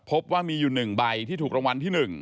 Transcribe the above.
พบว่ามีอยู่๑ใบที่ถูกรางวัลที่๑